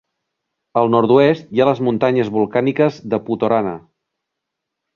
Al nord-oest hi ha les muntanyes volcàniques de Putorana.